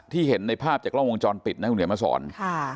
เห็นในภาพจากกล้องวงจรปิดนะคุณเหนียวมาสอนค่ะ